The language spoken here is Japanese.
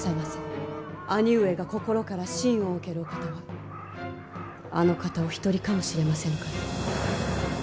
兄上が心から信を置けるお方はあの方お一人かもしれませぬから。